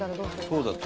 そうだよ